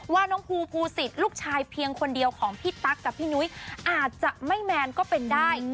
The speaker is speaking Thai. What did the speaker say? ว่าน้องภูสิทธิ์ลูกชายเพียงคนเดียวของพี่ตั๊กกับพี่นุ้ยอาจจะไม่แมนก็เป็นได้